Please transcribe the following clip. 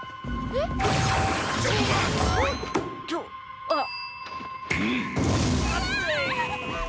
えっ！？